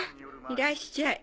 いらっしゃい。